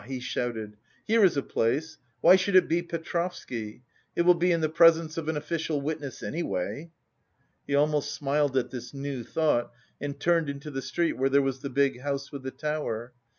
he shouted, "here is a place. Why should it be Petrovsky? It will be in the presence of an official witness anyway...." He almost smiled at this new thought and turned into the street where there was the big house with the tower.